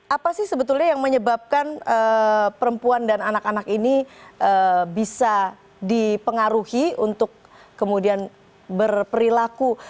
apa sih sebetulnya yang menyebabkan perempuan dan anak anak ini bisa dipengaruhi untuk kemudian berperilaku